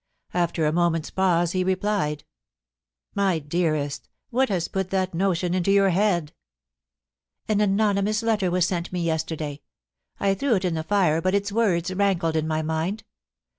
After a moment's pause, he replied :* My dearest, what has put that notion into your head ?An anonymous letter was sent me yesterday. I threw it in the fire, but its words rankled in my mind.